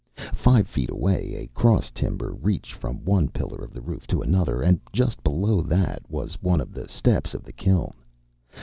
Five feet away a cross timber reached from one pillar of the roof to another, and just below that was one of the steps of the kiln.